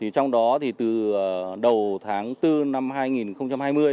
trong đó từ đầu tháng bốn năm hai nghìn hai mươi đã phối hợp và kiểm tra bốn tàu